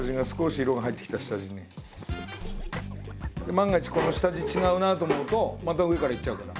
万が一この下地違うなと思うとまた上からいっちゃうから。